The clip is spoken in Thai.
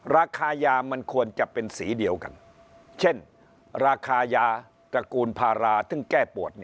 ราคายามันควรจะเป็นสีเดียวกันเช่นราคายาตระกูลพาราซึ่งแก้ปวด